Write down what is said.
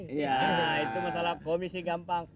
nah itu masalah komisi gampang